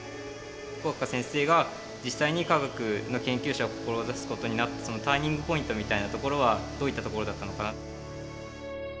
福岡先生が実際に科学の研究者を志す事になったそのターニングポイントみたいなところはどういったところだったのかなって。